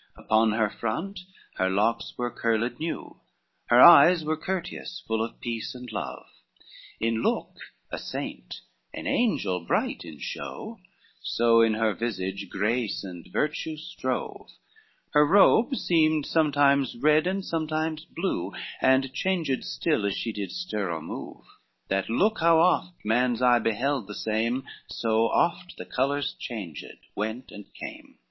IV Upon her front her locks were curled new, Her eyes were courteous, full of peace and love; In look a saint, an angel bright in show, So in her visage grace and virtue strove; Her robe seemed sometimes red and sometimes blue, And changed still as she did stir or move; That look how oft man's eye beheld the same So oft the colors changed, went and came.